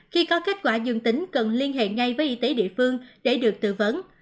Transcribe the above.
khi có kết quả dương tính cần liên hệ ngay với y tế địa phương để được tư vấn